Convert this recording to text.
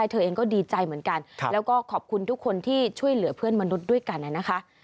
เธอเองก็ดีใจเหมือนกันแล้วก็ขอบคุณทุกคนที่ช่วยเหลือเพื่อนมนุษย์ด้วยกันนะคะ